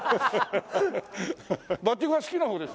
バッティングは好きな方です？